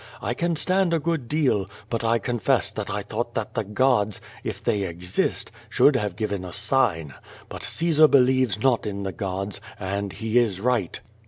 1 can stand a good deal, but I confess tliat I thought that the gods, if they exist, should have given a sign. But Caesar believes not in the gods, and he is right."